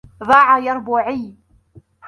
ضاع يربوعي.